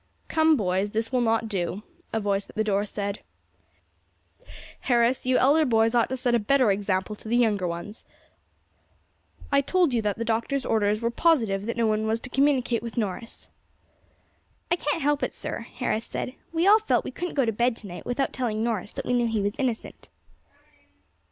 "Come, boys, this will not do," a voice at the door said; "Harris, you elder boys ought to set a better example to the younger ones. I told you that the Doctor's orders were positive that no one was to communicate with Norris." "I can't help it, sir," Harris said; "we all felt we couldn't go to bed to night without telling Norris that we knew he was innocent."